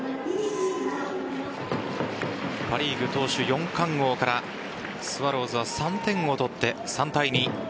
パ・リーグ投手４冠王からスワローズは３点を取って３対２。